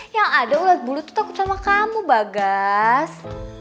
yang ada ulet bulu tuh takut sama kamu bagas